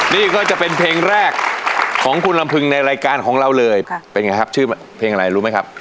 นี่ก็จะเป็นเพลงแรกของคุณลำพึงในรายการของเราเลยเป็นไงครับชื่อเพลงอะไรรู้ไหมครับ